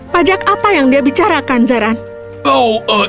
pajak yang dihargai setiap orang di sini